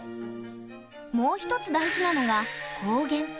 もう一つ大事なのが光源。